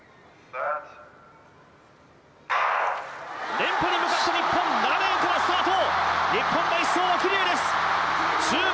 連覇に向かって日本、７レーンからスタート！